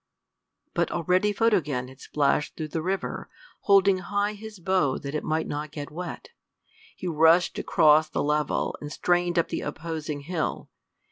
But already Photogen had splashed through the river, holding high his bow that it might not get wet. He rushed across the level, and strained up the opposing hill.